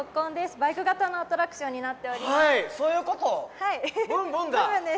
バイク型のアトラクションになっております。